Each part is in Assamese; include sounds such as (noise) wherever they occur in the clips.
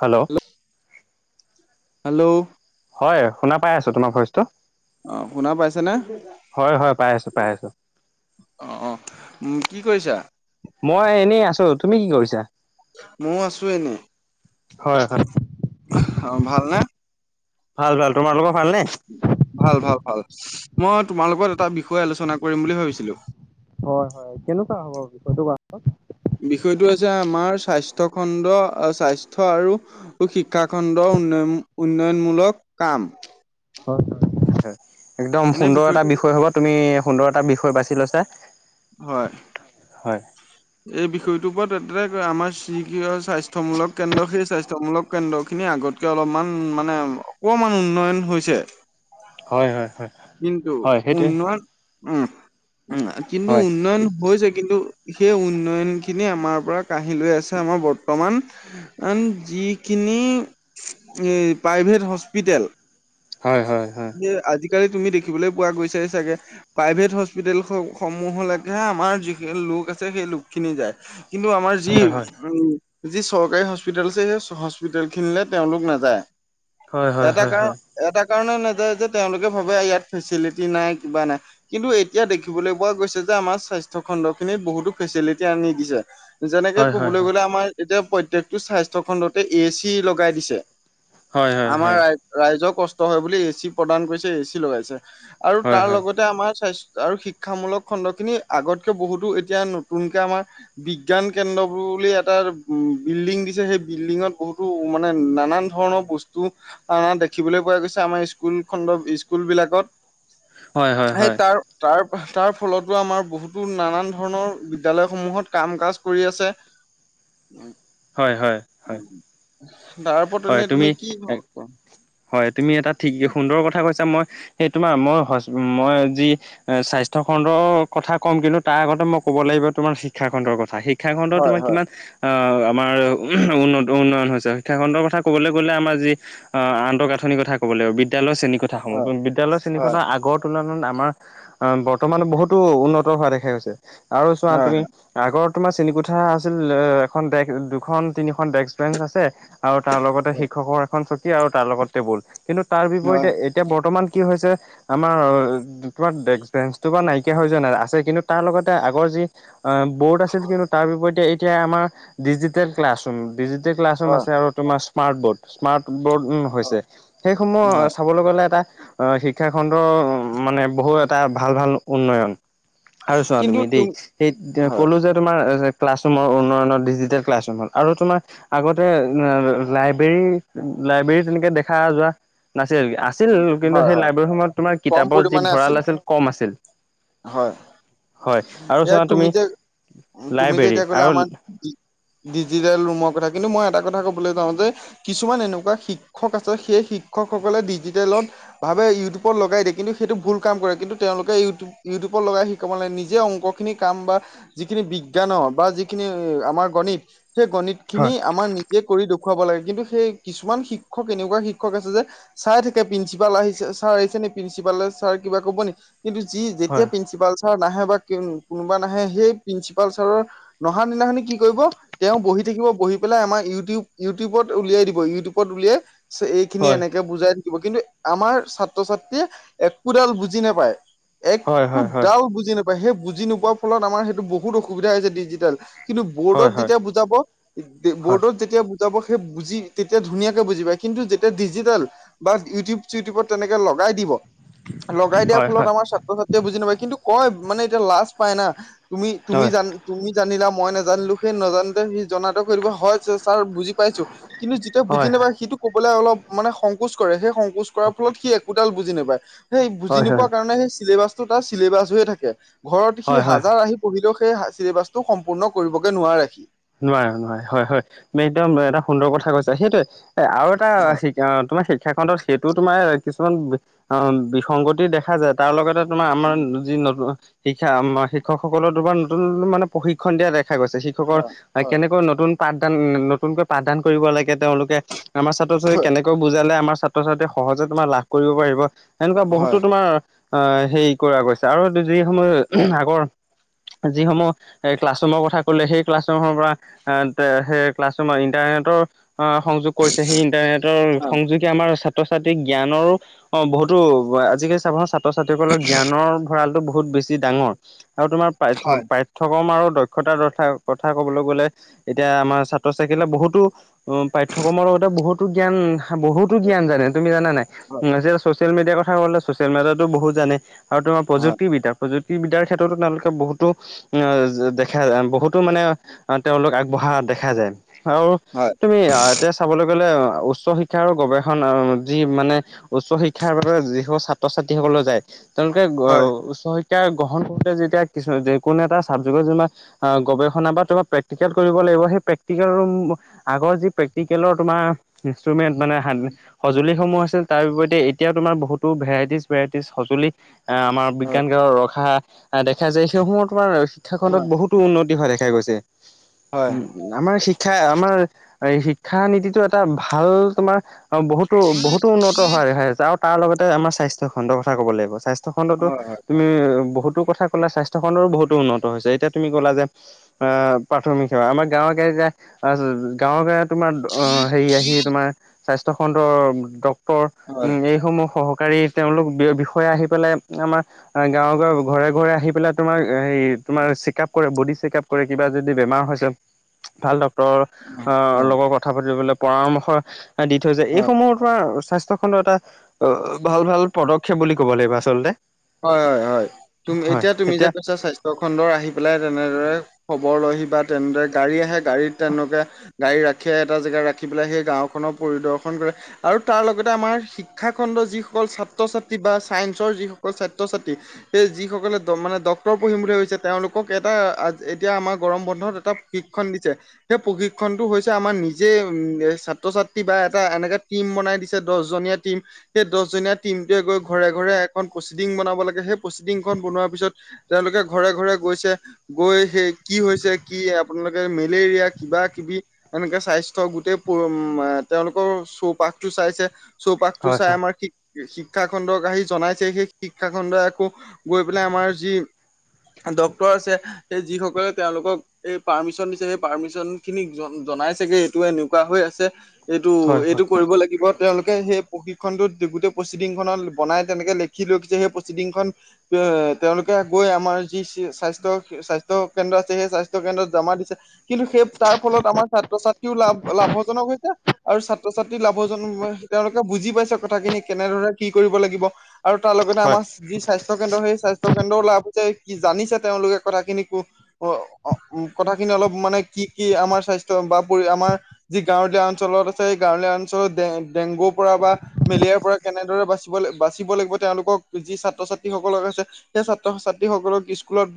হেল্ল'। হেল্ল'। হয় শুনা পাই আছো তোমাৰ ভইচটো। অ', শুনা পাইছেনে। হয়, হয় পাই আছো, পাই আছো। অ', অ' উম কি কৰিছা। মই এনেই আছো তুমি কি কৰিছা। মও আছো এনে হয় হয় অহ ভাল নে। ভাল ভাল তোমাৰালোকৰ ভালনে। ভাল ভাল ভাল মই তোমাৰ লগত এটা বিষয় আলোচনা কৰিম বুলি ভাবিছিলো। হয় হয় কেনেকুৱা হ'ব বিষয়টো কোৱাচোন। বিষয়টো হৈছে আমাৰ স্বাস্থ্যয় খণ্ড স্বাস্থ্য আৰু। টো শিক্ষা খণ্ডৰ উন্নয়ন উন্নয়নমূলক কাম। হয় হয় হয় হয় একদম এনে সুন্দৰ এটা বিষয়টো বিষয় হব তুমি সুন্দৰ এটা বিষয় বাছি লৈছা। হয়। হয়। এই বিষয়টোৰ ওপৰত এতেকে আমাৰ চিকিয় স্বাস্থ্যমূলক কেন্দ্ৰ সেই স্বাস্থ্যমূলক কেন্দ্ৰ খিনি আগতকে অলপমান মানে অকমান উন্নয়ন হৈছে। হয় হয়। হয় কিন্তু হয় সেইটোৱে উন্নয়ন উম উম কিন্তু হয় উন্নয়ন হৈছে কিন্তু সেই উন্নয়ন খিনি আমাৰ পৰা কাঢ়ি লৈ আছে আমাৰ বৰ্তমান কাৰণ যিখিনি প্ৰাইভেট হস্পিটেল হয় হয় হয় দে আজিকালি তুমি দেখিবলৈ পোৱা গৈছাই চাগে প্ৰাইভেট হস্পিতেল স সমূহলৈকে আমাৰ যিখিনি লোক আছে সেই লোক খিনি যায় কিন্তু আমাৰ যি হয় উম যি চৰকাৰী হস্পিতেল আছে সেই হস্পিতেল খিনিলে তেওঁলোক নাযায় হয় হয় হয় এটা হয় হয় কাৰ এটা কাৰণত নাযায় যে তেওঁলোকে ভাবে ইয়াত ফেচিলিটি নাই কিবা নাই কিন্তু এতিয়া দেখিবলৈ পোৱা গৈছে যে আমাৰ স্বাস্থ্য খণ্ড খিনি বহুতো ফেচিলিটি আনি দিছে যেনেকে হয় হয় হয় কবলৈ গলে আমাৰ এতিয়া প্ৰত্যেকটো স্বাস্থ্য খণ্ডতে এ চি লগাই দিছে হয় হয় আমাৰ ৰাই ৰাইজৰ কষ্ট হয় বুলি এচি প্ৰদান কৰিছে এ চি লগাইছে আৰু হয় হয় হয় তাৰ হয় লগতে আমাৰ স্বাস্ আৰু শিক্ষামূলক খণ্ড খিনি আগতকে বহুতো এতিয়া নতুনকে আমাৰ বিজ্ঞান কেন্দ্ৰ বুলি এটা উ বিল্ডিং দিছে সেই বিল্ডিঙত বহুতো মানে নানান ধৰণৰ বস্তু আনা দেখ দেখিবলৈ পোৱা গৈছে। আমাৰ স্কুল খণ্ডক স্কুল বিলাকত হয় হয় সেই তাৰ তাৰ তাৰ ফলতো আমাৰ বহুতো নানান ধৰণৰ বিদ্যালয়সমূহত কাম কাজ কৰি আছে। উম', হয় হয় হয় তাৰ ওপৰত এনেই তুমি কি হয় তুমি এটা ঠিক সুন্দৰ কথা কৈছা মই সেই তোমাৰ মই হস্--মই যি স্বাস্থ্য খণ্ডৰ কথা কম কিন্তু তাৰ আগতে মই ক'ব লাগিব তোমাৰ শিক্ষা খণ্ডৰ কথা শিক শিক্ষাখণ্ড হয় তোমাৰ কিমান আহ আমাৰ উন্নত উন্নয়ন হৈছে শিক্ষা খণ্ডৰ কথা ক'বলৈ গ'লে আমাৰ যি আ আন আন্তঃগাঁথনি ক'ব লাগিব বিদ্যালয় শ্ৰেণী কোঠাসমূহ হয় বিদ্যলয়ৰ হয় শ্ৰেণীকোঠা আগত তুলনাত আমাৰ আ বৰ্তমান বহুতো উন্নত হোৱা দেখা গৈছে আৰু চোৱা হয় তুমি হয় আগৰ তোমাৰ শ্ৰেণী কোঠা আছিল এখন ডে্ক দুখন তিনিখন ডেস্ক বেঞ্চ আছে আৰু তাৰ লগতে শিক্ষকৰ এখন চকী আৰু তাৰ লগত টেবুল কিন্তু তাৰ বিপৰীতে হয়। এট এতিয়া বৰ্তমান কি হৈছে আমাৰ তোমাৰ ডেস্ক বেঞ্চটো বা নাইকিয়া হৈ যোৱা নাই আছে কিন্তু তাৰ লগতে আগৰ যি অ বৰ্ড আছিল কিন্তু তাৰ বিপৰীতে এতিয়া আমাৰ ডিজিটেল ক্লাছৰুম ডিজি তে ক্লাছৰুম হয় আছে আৰু তোমাৰ স্মাৰ্ট বৰ্ড স্মাৰ্ট বৰ্ড ও হৈছে হয় সেই সমূহ হয়। ছা কবলৈ গ'লে এটা আ শিক্ষা খণ্ডৰ মানে বহু এটা ভাল ভাল উন্নয়ন আৰু চোৱা কিন্তু তুমি দেই তুম সেই হয় ক'লো যে তোমাৰ ক্লাছৰুমৰ উন্নয়নৰ ডিজিটেল ক্লাছৰুম হল আৰু তোমাৰ আগতে লাইব্ৰেৰী লাইব্ৰেৰী তেনেকে দেখা যোৱা নাছিল আছ আছিল কিন্তু হয় সেই হয় লাইব্ৰেৰী সমূহত তোমাৰ কম কিতাপৰ যি পৰিমাণে আছিলে ভঁৰাল আছিল কম আছিল হয় হয় আৰু এ চোৱা তুমি যে তুমি যে লাইব্ৰেৰী এতিয়া কলা আৰু আমাৰ ডিত ডিজিটেল ৰুমৰ কথা কিন্তু মই এটা কথা ক'বলৈ যাওঁ যে কিছুমান এনেকুৱা শিক্ষক আছে সেই শিক্ষকসকলে ডিজিটেলত। ভাবে ইউটিউবত লগাই দিয়ে কিন্তু সেইটো ভুল কাম কৰে কিন্তু তেওঁলোকে ইউ-ইউটিউবত লগাই শিক শিকাব নালাগে, নিজে অংক খিনি কাম বা যিখিনি বিজ্ঞানৰ বা যিখিনি আমাৰ গণিত সেই গণিত খিনি হয় আমাৰ নিজে কৰি দেখুৱাব লাগে, কিন্তু সেই কিছুমান শিক্ষক এনেকুৱা শিক্ষক আছে যে চাই থাক প্ৰিঞ্চিপাল আহিছে ছাৰ আহিছে ন প্ৰিন্ঞ্চিপাল চাৰে কিবা ক'ব নেকি, কিন্তু যি যেতিয়া হয় প্ৰিন্ঞ্চিপাল নাহে বা কোনোবা নাহে সেই প্ৰিঞ্চিপাল ছাৰৰ নহা দিনাখনি কি কৰিব তেওঁ বহি থাকিব বহি পেলাই আমাৰ ইউটিউব, ইউটিউবত উলিয়াই দিব ইউটিউবত উলিয়াই এইখিনি হয় এনেকে বুজাই থাকিব কিন্তু আমাৰ ছাত্ৰ ছাত্ৰীয়ে একোডাল বুজি নাপায়। হয় একো হয় ডাল বুজি নেপায় সেই বুজি নোপোৱাৰ ফলত আমাৰ সেইটো বহুত অসুবিধা হৈছে ডিজিটেল। কিন্তু বৰ্ডত হয় হয় হয় যেতিয়া বুজাব হয় বৰ্ডত যেতিয়া বুজাব সেই বুজি তেতিয়া ধুনীয়াকে বুজি পায় কিন্তু যেতিয়া ডিজিটেল বা ইউটিউব চিটিউবত তেনেকে লগাই দিব লগাই দিয়াৰ হয় হয় হয় হয় হয় ফলত আমাৰ ছাত্ৰ-ছাত্ৰী বুজি নাপাই কিন্তু কয় মানে এতিয়া লাজ পাই না তুমি, তুমি হয় জান তুমি জানিলা মই নোজানিলোঁ সেই নাজানিলে সি জননাতটো কৰি হয় ছাৰ বুজি পাইছোঁ কিন্তু যিটোয়ে বুজি নাপায় সিটো ক'বলৈ অলপ মানে স সংকোচ কৰে, সেই সংকোচ কৰাৰ ফলত সি একোদাল বুজি নাপায় সেই বুজি হয় হয় নোপোৱাৰ হয় কাৰণে সেই চিলেবাছ ত' তাৰ চিলেবাছ হৈ থাকে, ঘৰত সি হয় হাজাৰ আহি পঢ়িলেও সেই চছিলেবাচটো সম্পূৰ্ণ কৰিবকে নোৱাৰে। নোৱাৰে, নোৱাৰে হয়, হয় তুমি একদম এটা সুন্দৰ কথা কৈছা, সেইটোৱে এ আৰু এটা হয় অ', তোমাৰ শিক্ষা খণ্ডত সেইটো তোমাৰ কিছুমান অ', বিসংগতি দেখা যায় তাৰ লগতে তোমাৰ আমাৰ উম, যি ন শিক্ষা শিক্ষকসকলৰ তোমাৰ নতুন, নতুন মানে প্ৰশিক্ষণ দিয়া দেখা গৈছে, শিক্ষকৰ হয় হয় কেনে কৌ নতুন পাঠদান নতুনকৈ পাঠদান কৰিব লাগে তেওঁলোকে। আমাৰ ছাত্ৰ-ছাত্ৰী কেনেকৈ বুজালে আমাৰ ছাত্ৰ-ছাত্ৰীয়ে সহজে তোমাৰ লাভ কৰিব পাৰিব, এনেকুৱা বহুতো হয় তোমাৰ অ', হেৰি কৰা গৈছে আৰু এই যি হয় সমূহ আগৰ যিসমূহ এ ক্লাছৰৰুমৰ কথা ক'লে সেই ক্লাছ ক্লাছৰুমত ইণ্টাৰনেটৰ সংযোগ। কৰিছে সেই ইণ্টাৰনেটৰ সংযোগ। আমাৰ ছাত্ৰ-ছাত্ৰীক জ্ঞানৰো অ', বহুতো আজি কালি ছাবাছোন ছাত্ৰ-ছাত্ৰীসকলৰ জ্ঞানৰ ভঁৰালটো বহুত বেছি ডাঙৰ আৰু তোমাৰ পাই হয় পাঠ্যক্ৰম আৰু দক্ষতাৰ কথা কবলৈ গ'লে এতিয়া আমাৰ ছাত্ৰ-ছাত্ৰীলে বহুতো পাঠ্যক্ৰমৰ লগতে বহুতো জ্ঞান বহুতো জ্ঞানে জানে তুমি জানা নাই হয় যে ছচিয়েল মিডিয়াৰ কথা ক'লে ছচিয়েল মেডিয়াতো বহুত জানে। আৰু তোমাৰ হয় প্ৰযুক্তিবিদ্যা, প্ৰযুক্তিবিদ্যাৰ ক্ষেত্ৰতো তেওঁলোকে বহুতো অ', দেখা বহুত টো মানে তেওঁলোক আগবঢ়া দেখা যায় আৰু হয় তুমি তেতিয়া চাবলৈ গ'লে উচ্চ শিক্ষাৰ আৰু গৱেষণ যি মানে উচ্চ শিক্ষাৰ বাবে যিসকল ছাত্ৰ-ছাত্ৰীসকলে যায়। তেওঁলোকে হয় হয় উচ্চ শিক্ষা গ্ৰহণ কৰোতে যেতিয়া কিছু কোনো এটা চাবজেক্টৰ যেনিবা আহ গৱেষণা বা তোমাক প্ৰেক্টিকেল কৰিব লাগিব, সেই প্ৰেক্টিকেলৰ আগৰ যি প্ৰেক্টিকেলৰ তোমাৰ ইনষ্ট্ৰমেণ্ট মানে সঁজুলিসমূহ আছে। তাৰ বিপৰতে এতিয়াও তোমাৰ বহুতো ভেয়াইটিজ, ভেৰাইটিজ সঁজুলি। আহ, আমাৰ হয় বিজ্ঞান কে ৰখা দেখা যায় সেইসমূহত তোমাৰ শিক্ষা খণ্ডত হয় বহুতো উন্নত। হোৱা দেখা গৈছে হয়, উম। আমাৰ শিক্ষা আমাৰ এই শিক্ষা নীতিটো এটা ভাল তোমাৰ অ বহুতো বহুতো উন্নত হয় আৰু তাৰ লগতে আমাৰ স্বাস্থ্য খণ্ডৰ কথা কব লাগিব, স্বাস্থ্য স্বাস্থ্য খণ্ডতো হয়। তুমি বহুতো কথা ক'লে স্বাস্থ্য খণ্ডডো বহুতো উন্নত হৈছে, এতিয়া তুমি কলা যে অ প্ৰাথমিক সেৱা আমাৰ গাঁৱে গাঁৱে যে গাঁৱ গ তোমাৰ হেৰি আহি তোমাৰ স্বাস্থ্য খণ্ডৰ হয়, হয়, উম যিসমূহ সহকাৰী তেওঁলোক বি বিষয়ে আহি পেলাই আমাৰ গাঁৱে গাঁৱে ঘৰে ঘৰে আহি পেলাই তোমাৰ হেৰি তোমাৰ চেকাব কৰে, বদি চেকাব কৰে, কিবা যদি বেমাৰ হৈছে ভাল আহ লগত কথা পাতিবলৈ পৰামৰ্শ দি থৈ যায়। হয়, এইসমূহত তোমাৰ স্বাস্থ্য খণ্ডৰ এটা অ ভাল ভাল পদক্ষেপ বুলি ক'ব লাগিব আচলতে। হয় হয় হয় তুম এতিয়া তুমি যে কৈছা স্বাস্থ্য স্থাথ্য খণ্ডৰ আহি পেলাই তেনেদৰে খবৰ লয়হি বা তেনেদৰে গাড়ী আহে গাড়ীত তেনেলোকে গাড়ী ৰাখে এটা জেগা ৰাখি পেলাই সেই গাঁওখনৰ পৰিদৰ্শন কৰে আৰু তাৰ লগতে আমাৰ শিক্ষাখণ্ডৰ যিসকল ছাত্ৰ-ছাত্ৰী বা ছায়েন্সৰ যিসকল অকল ছাত্ৰ-ছাত্ৰী সেই যিসকলে মানে ডক্টৰ পঢ়িম বুলি ভাবিছে, তেওঁলোকক এটা এতিয়া আমাৰ গৰম বন্ধত এটা শিক্ষণ দিছে। সেই প্ৰশিক্ষনতটো হৈছে আমাৰ নিজে উ ছাত্ৰ ছাত্ৰী বা এটা এনেকা টিম বনাই দিছে দহজনীয়া টিম, সেই দহজনীয়া টিমটোৱে গৈ ঘৰে ঘৰে এখন প্ৰচিডিং বনাব লাগে, সেই প্ৰচিডিংখন বনোৱাৰ পিছত তেওঁলোকে ঘৰে ঘৰে গৈছে গৈ সেই কি হৈছে? কি আপোনালোকে মেলেৰিয়া কিবা কিবি এনেকে স্বাস্থ্য গোটেই তেওঁলোকৰ চৌপাশটো চাইছে চৌপাশটো হয় চাই হয় আমাৰ শিক শিক্ষা খণ্ডক আহি জনাইছে সেই শিক্ষা খণ্ডই আকৌ গৈ পেলাই আমাৰ যি ডক্তৰ আছে যিসকলে তেওঁলোকক এই পাৰ্মিশন দিছে সেই পাৰ্মিশন খিনিক জন জনাইছেগে এইটো এনেকুৱা হৈ আছে এইটো, হয় এইটো হয় কৰিব লাগিব তেওঁলোকে সেই প্ৰশিক্ষণটো গোটেই প্ৰচিডিং খত বনাই তেনেকে লে (unintelligible) সেই প্ৰচিডিং খন এ তেওঁলোকে গৈ আমাৰ যি স্বাস্থ্য স্বাস্থ স্বাস্থ্য কেন্দ্ৰ আছে সেই স্বাস্থ্য কেন্দ্ৰত জমা দিছে কিন্তু সেই তাৰ ফলত আমাৰ ছাত্ৰ-ছাত্ৰীও লাভ লাভজনক হৈছে, আৰু ছাত্ৰ-ছাত্ৰী লাভজনক তেওঁলোকে বুজি পাইছে কথাখিনি কেনেদৰে কি কৰিব লাগিব। আৰু তাৰ লগতে হয় আমাৰ যি স্বাস্থ্য কেন্দ্ৰ সেই স্বাস্থ্য কেন্দ্ৰওলাভ যে কি জানিছে তেওঁলোকে কথাখিনি কো অ কথাখিনি অলপ মানে কি কি আমাৰ স্বাস্থ্য বা পৰি আমাৰ যি গাঁৱলীয়া অঞ্চলত আছে সেই গাঁৱলীয়া অঞ্চলত ডে-ডেংগুৰ পৰা বা মেলেয়াৰ পৰা কেনেদৰে বাচিব লাগ বাচিব লাগিব তেওঁলোকক যি ছাত্ৰ-ছাত্ৰীসকলক আছে সেই ছাত্ৰ ছাত্ৰীসকলক স্কুলত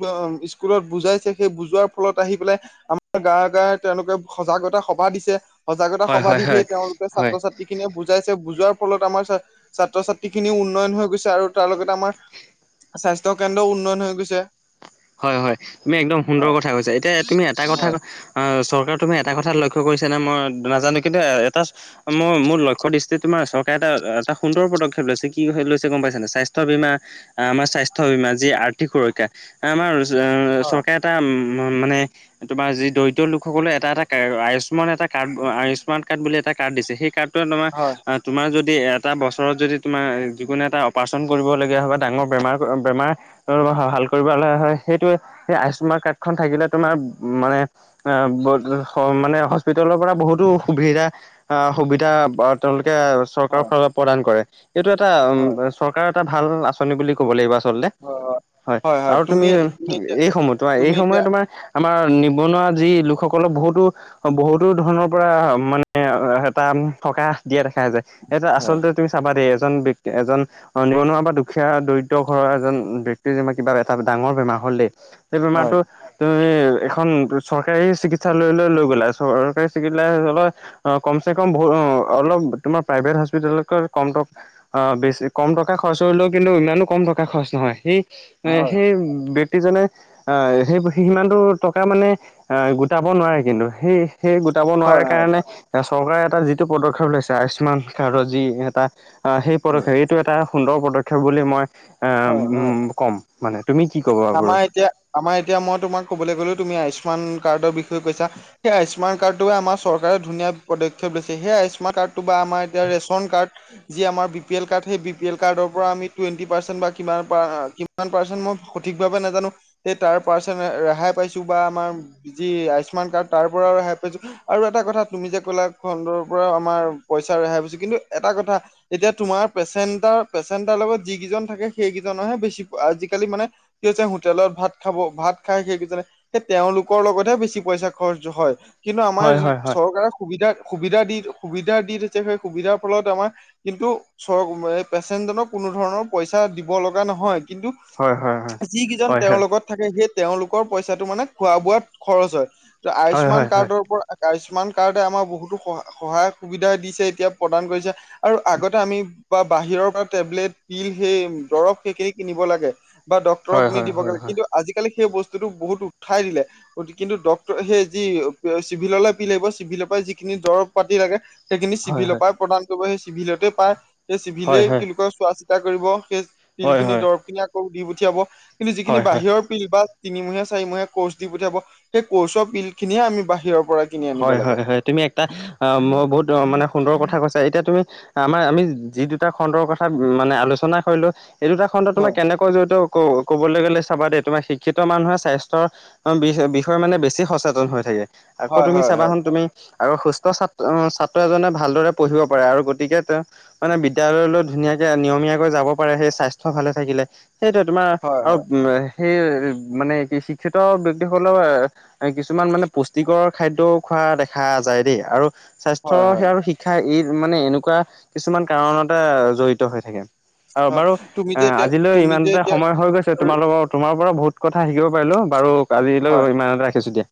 স্কুলত বুজাইছে সেই বুজোৱাৰ ফলত আহি পেলাই আমাৰ গাঁৱে গাঁৱে তেওঁলোকে সজাগতা সভা দিছে, সজাগতা হয় সভা হয় দি সেই হয় তেওঁলোকে হয় ছাত্ৰ-ছাত্ৰী যি খিনিয়ে বুজাইছে, বুজোৱাৰ ফলত আমাৰ ছাত্ৰ-ছাত্ৰী খিনিও উন্নয়ন হৈ গৈছে আৰু তাৰ লগতে আমাৰ স্বাস্থ্য কেন্দ্ৰও উন্নয়ন হৈ গৈছে হয় হয় তুমি একদম সুন্দৰ হয় কথা কৈছা, এতিয়া তুমি এটা কথা হয় অ চৰকাৰে তুমি এটা কথাত লক্ষ্য কৰিছা নে মই নাজানো কিন্তু এটা মই মোৰ লক্ষ্য দৃষ্টিত তোমাৰ চৰকাৰে এটা এটা সুন্দৰ পদক্ষেপ লৈছে, কি লৈছে গম পাইছানে নাই? স্বাস্থ্য বীমা আমাৰ স্বাস্থ্য বীমা যি আৰ্থিক সুৰক্ষা, আমাৰ হয় চৰকাৰে এটা মা-মানে তোমাৰ যি দৰিদ্ৰ লোকসকলে এটা এটা কাৰ আয়ুস্মান এটা কাৰ্ড আয়ুস্মান কাৰ্ড বুলি এটা কাৰ্ড দিছে সেই কাৰ্ড হয় তোমাৰ (inaudible) তোমাৰ যদি এটা বছৰত যদি তোমাৰ যিকোনো এটা অপাৰেচন কৰিবলগীয়া হয় বা ডাঙৰ বেমাৰ বেমাৰ। (inaudible) ভাল কৰিব লগা হয় সেইটোৱে সেই আয়ুস্মান কাৰ্ডখন থাকিলে তোমাৰ মানে। (inaudible) মানে (inaudible) হস্পিতালৰ পৰা বহুতো সুবিধা সুবিধা তেওঁলোকে চৰকাৰৰ হয় ফালৰ। প্ৰদান কৰে এইটো এটা উম হয় চৰকাৰৰ এটা ভাল আঁচনি বুলি ক'ব লাগিব আচলতে। অ, অ হয়, হয়। তুমি (inaudible) এই সময় তোমাৰ এই তুমি সময়ে এতিয়া তোমাৰ আমাৰ নিবনুৱা যি লোকসকলৰ বহুতো। বহুতো ধৰণৰ পৰা মানে এটা থকা দিয়া দেখা যায় এটা হয় আচলতে। তুমি চাবা দেই এজন ব্যক্তি এজন নিবনুৱা বা দুখীয়া দৰিদ্ৰ ঘৰৰ এজন ব্ক্তিয় যেম কিবা। তাৰ ডাঙৰ বেমাৰ হ'ল দেই সেই হয় বেমাৰটো। তুমি এখন চৰকাৰী চিকিৎসালয়লৈ লৈ গ'লা চৰকাৰী চিকিৎ (inaudible) অ কম চে কম বহু অ অলপ তোমাৰ প্ৰাইভেট হস্পিক কমট। অ বেছি কম টকা খৰচ কৰিলেও কিন্তু ইমানো কম টকা খৰচ নহয় সেই এ হয় সেই ব। ক্তিজনে আহ সেই সিমানতটো টকা মানে এ গোটাব নোৱাৰে কিন্তু সেই। সেই গোটাব নোৱাৰা হয় হয় কাৰণে। এ চৰকাৰে এটা যিটো পদক্ষেপ লৈছে আয়ুস্মান কাৰ্ডৰ যি এটা। সেই হয় পদক্ষেপ এইটো এটা সুন্দৰ পদক্ষেপ বুলি মই হয় হয় ক'ম। নে তুম কি কবা (inaudible) পৰা। আমাৰ এতিয়া আমাৰ এতিয়া মই তোমাক কবলৈ গলো তুমি আয়ুস্মান কাৰ্ডৰ বিষয়ে কৈছা। সেই আয়ুস্মান কাৰ্ডটে আমাৰ চৰকাৰে ধুনীয়া পদক্ষেপ দিৈছে সেই আয়ুস্মান কাৰ্ডটো বা আমাৰ এতিয়া ৰেচন কাৰ্ড। যি আমাৰ বি পি এল কাৰ্ স বি পি এল কাৰ্ডৰ পৰা আমি টুৱেট পাৰ্চেণ্ট বা। কিমান পা কিমান পাৰ্চেন্ট মই সঠিকভাৱে নাজানো। তে তাৰ পাৰ্চন ৰেহাই পাইছো বা আমাৰ যি আয়ুস্মান কাৰ্ড তাৰ পৰাও ৰেহাই পাইছো। আৰু এটা কথা তুমি যে ক'লা ফাণ্ডৰ পৰা আমাৰ পইচা ৰেহাই পাইছোঁ, কিন্তু এটা কথা। এতিয়া তোমাৰ পেচেণ্টাৰ, পেচেণ্টাৰ লগত যি কেইজন থাকে সেইকিজনৰহে বেছি, আজিকালি মানে। কি হৈছে, হোটেলত ভাত খাব ভাত খাই সেইকেইজনে। সে তেওঁলোকৰ লগতে বেছি পইচা খৰচ হয়, কিন্তু আমাৰ হয় হয় হয় চৰকাৰে। সুবিধা, সুবিধা দি, সুবিধা দি থৈছে, সেই সুবিধাৰ ফলত আমাৰ। কিন্তু, চ পেচেণ্টজনক কোনো ধৰণৰ পইচা দিব লগা নহয়, কিন্তু। হয় হয় যিকেইজন হয় হয় তেওঁৰ লগত। থাকে সেই তেওঁলোকৰ পইচাটো মানে খোৱা বোৱাত খৰচ হয়, ত হয় আয়ুস্মান হয় হয় কাৰ্ডৰ পৰা। আয়ুস্মান কাৰ্ডে আমাৰ বহুতো সহ সহায় সুবিধা দিছে, এতিয়া প্ৰদান কৰিছে। আৰু আগতে আমি বা বাহিৰৰ পৰা টেবলেট তিল সেই দৰৱ, সেইখিনি কিনিব লাগে। বা ডক্তৰক হয় হয় হয় হয় নিদিবগে কিন্তু আজিকালি সেই বস্তুটো বহুত উঠাই দিলে। গতি কিন্তু ড্ৰপ সেই যি চিভিললৈ পি লাগিব, চিভিলৰ পৰা যিখিনি দৰৱ পাতি লাগে। সেইখিনি হয় চিভিলৰ হয় পৰা প্ৰদান কৰিব সেই চিভিলতে পায় সেই চিভিলে হয় হয় কি বুলি কয় চোৱা চ। কৰিব সেই তিল হয় খিনি হয় দৰৱ কিনি আকৌ দি পঠিয়াব কিন্তু যিখিনি হয় হয় বাহিৰৰ। কিবা তিনিমহীয়া চাৰিমহীয়া কোৰ্চ দি পঠিয়াব, সেই কোচৰ পিল খিনিয়ে আমি বাহিৰৰ পৰা। কিনি আনিব হয়, লাগে। হয়, হয় তুমি এটা অ' বহুত মানে সুন্দৰ কথা কৈছা, এতিয়া তুমি। আমাৰ আমি যি দুটা খণ্ডৰ কথা মানে আলোচনা কৰিলো, সেই দুটা খণ্ড তোমাৰ হয়, কেনে। (inaudible) ক'বলৈ গ'লে, চাবা দেই তোমাৰ শিক্ষিত মানুহে স্বাস্থ্যৰ। অ' বি-বিষয় মানে বেছি সচেতন হৈ থাকে, আকৌ হয়, তুমি হয়, চাবা হয়, চন, তুমি। আৰু সুস্থ চা ছাত্ৰ এজনে ভালদৰে পঢ়িব পাৰে আৰু গতিকে তে। মানে বিদ্যালয়লৈ ধুনীয়াকে নিয়মীয়াকৈ যাব পাৰে সেই স্বাস্থ্য ভালে থাকিলে। সেইটো তোমাৰ হয়, আৰু হয়, উম নাই সেই মানে কি শিক্ষিত ব্যক্তিসকলৰ কিছুমান মানে পুষ্টিকৰ খাদ্যও খোৱা দেখা যায় দেই, আৰু স্বাস্থ্যৰ হয়, হয়, সেয়া আৰু শি শিক্ষাৰ ই মানে এনেকুৱা কিছুমান কাৰণতে অহ' জড়িত হৈ থাকে। আৰু হয়, বাৰু তুমি এ যে এতিয়া আজিলৈ তুমি যে ইমানতেটা এতিয়া সময় হৈ গৈছে তোমালোকৰ, তোমাৰ পৰা বহুত কথা শিকিব পাৰিলোঁ বাৰু আজিলৈ হয়। ইমানতে ৰাখিছোঁ দিয়া।